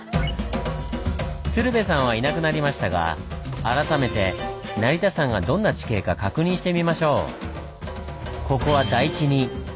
鶴瓶さんはいなくなりましたが改めて成田山がどんな地形か確認してみましょう。